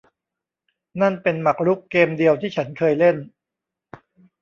นั่นเป็นหมากรุกเกมเดียวที่ฉันเคยเล่น